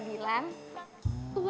honor siaran honor siaran